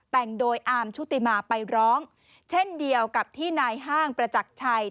แต่งโดยอาร์มชุติมาไปร้องเช่นเดียวกับที่นายห้างประจักรชัย